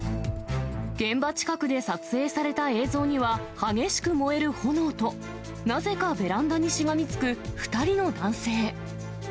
現場近くで撮影された映像には、激しく燃える炎と、なぜかベランダにしがみつく２人の男性。